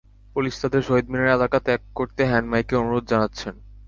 Police তাঁদের শহীদ মিনার এলাকা ত্যাগ করতে হ্যান্ড মাইকে অনুরোধ জানাচ্ছেন।